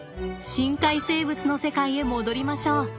深海生物の世界へ戻りましょう。